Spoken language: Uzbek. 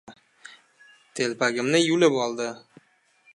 Telpagimni yulib oldi.